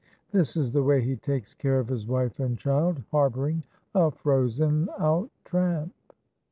This is the way he takes care of his wife and child, harbouring a frozen out tramp."